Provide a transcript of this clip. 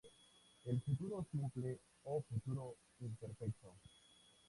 El Futuro simple o futuro imperfecto.